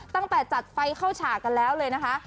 ตั้งแต่จัดไฟเข้าฉากกันแล้วเลยนะคะ